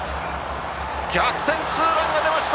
逆転ツーランが出ました。